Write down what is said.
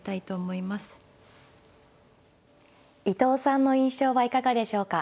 伊藤さんの印象はいかがでしょうか。